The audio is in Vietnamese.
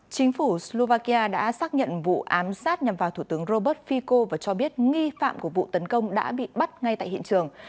chính phủ slovakia đã xác nhận vụ ám sát nhằm vào thủ tướng robert fico và cho biết nghi phạm của vụ tấn công đã bị bắt ngay tại hiện trường